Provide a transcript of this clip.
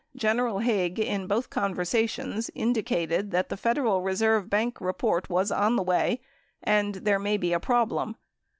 General Haig in both conversa tions indicated that the Federal Reserve Bank report was on the way and "there may be a problem."